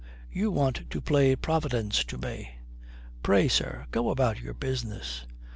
You want to play Providence to me. Pray, sir, go about your business."